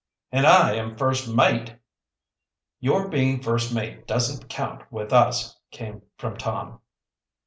"And I am first mate." "Your being first mate doesn't count with us," came from Tom.